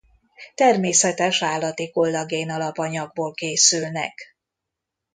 Természetes állati kollagén alapanyagból készülnek.